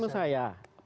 pesimisme saya yang awal